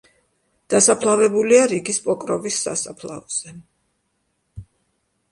დასაფლავებულია რიგის პოკროვის სასაფლაოზე.